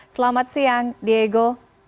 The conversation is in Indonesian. selamat siang diego